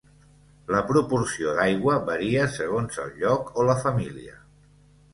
La proporció d'aigua varia segons el lloc o la família.